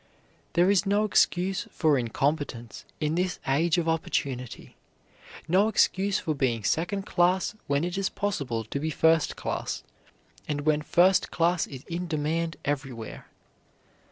There is no excuse for incompetence in this age of opportunity; no excuse for being second class when it is possible to be first class, and when first class is in demand everywhere.